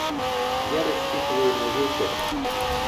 Я рассчитываю на вечер.